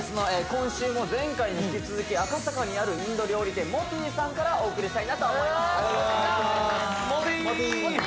今週も前回に引き続き赤坂にあるインド料理店ＭＯＴＩさんからお送りしたいなと思いますＭＯＴＩＭＯＴＩ！